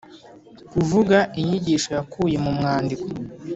Kuvuga inyigisho yakuye mu mwandiko